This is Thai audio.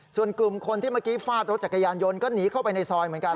ส่วนกลุ่มคนที่เมื่อกี้ฟาดรถจักรยานยนต์ก็หนีเข้าไปในซอยเหมือนกัน